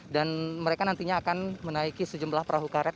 dan mereka nantinya akan menaiki sejumlah perahu karet